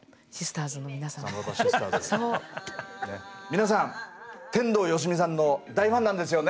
皆さん天童よしみさんの大ファンなんですよね？